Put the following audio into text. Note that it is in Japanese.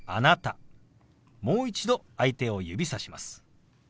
もう一度相手を指さします。